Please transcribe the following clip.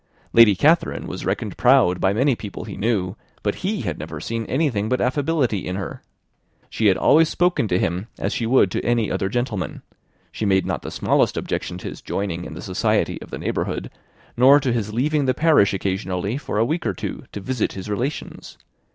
Lady Catherine was reckoned proud by many people, he knew, but he had never seen anything but affability in her. She had always spoken to him as she would to any other gentleman; she made not the smallest objection to his joining in the society of the neighbourhood, nor to his leaving his parish occasionally for a week or two to visit his relations.